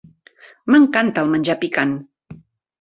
M'encanta el menjar picant!